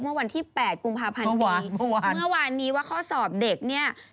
เมื่อวันที่๘กุมภาพันธ์นี้เมื่อวานนี้ว่าข้อสอบเด็กเนี่ย